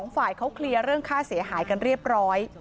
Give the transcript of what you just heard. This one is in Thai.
ฝ่ายเขาเคลียร์เรื่องค่าเสียหายกันเรียบร้อย